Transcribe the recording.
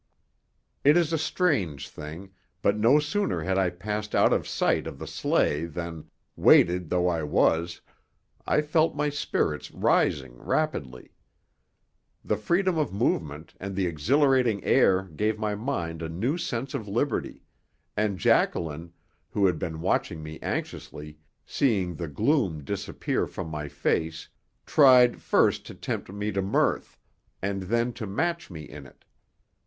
It is a strange thing, but no sooner had I passed out of sight of the sleigh than, weighted though I was, I felt my spirits rising rapidly. The freedom of movement and the exhilarating air gave my mind a new sense of liberty, and Jacqueline, who had been watching me anxiously, seeing the gloom disappear from my face, tried, first to tempt me to mirth, and then to match me in it.